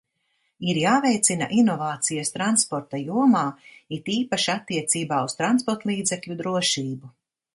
Ir jāveicina inovācijas transporta jomā, it īpaši attiecībā uz transportlīdzekļu drošību.